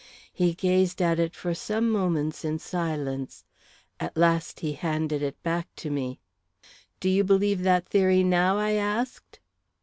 He gazed at it for some moments in silence. At last he handed it back to me. "Do you believe that theory now?" I asked.